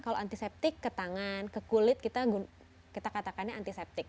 kalau antiseptik ke tangan ke kulit kita katakannya antiseptik